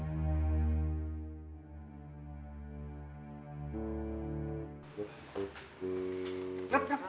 gue mau panggil si robi